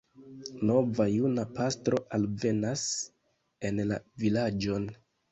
Nova juna pastro alvenas en la vilaĝon.